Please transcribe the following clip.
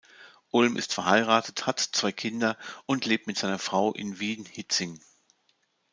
Ulm ist verheiratet, hat zwei Kinder und lebt mit seiner Frau in Wien-Hietzing.